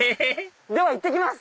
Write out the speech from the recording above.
⁉ではいってきます！